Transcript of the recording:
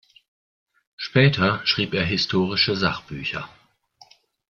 Später schrieb er historische Sachbücher.